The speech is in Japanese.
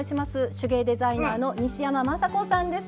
手芸デザイナーの西山眞砂子さんです。